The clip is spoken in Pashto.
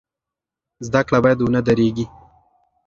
زده کړه باید ونه دریږي.